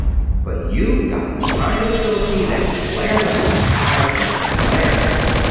But you've got the kind of ability that flares up, dies down, flares up.